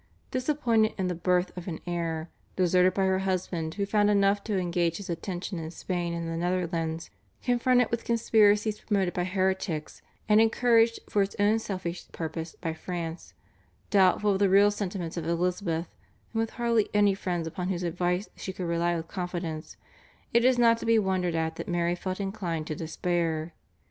Disappointed in the birth of an heir, deserted by her husband who found enough to engage his attention in Spain and the Netherlands, confronted with conspiracies promoted by heretics and encouraged for its own selfish purpose by France, doubtful of the real sentiments of Elizabeth, and with hardly any friends upon whose advice she could rely with confidence, it is not to be wondered at that Mary felt inclined to despair.